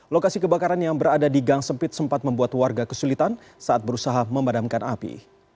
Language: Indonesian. lokasi kebakaran yang berada di gang sempit sempat membuat warga kesulitan saat berusaha memadamkan api